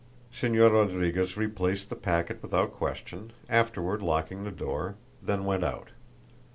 Señor Rodriguez replaced the packet without question, afterward locking the door, then went out.